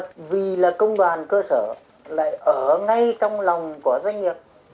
nhưng vì công đoàn cơ sở lại ở ngay trong lòng của doanh nghiệp